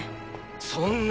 そんな！